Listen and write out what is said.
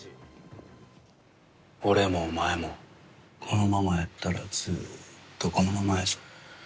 俺もお前も、このままやったらずっとこのままやぞ。